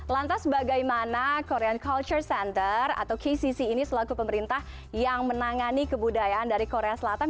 lantas bagaimana korean culture center atau kcc ini selaku pemerintah yang menangani kebudayaan dari korea selatan